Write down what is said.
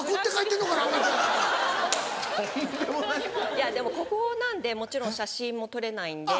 いやでも国宝なんでもちろん写真も撮れないんで。